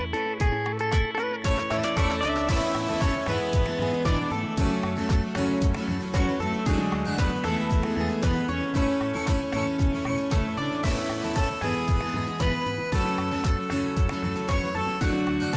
โปรดติดตามตอนต่อไป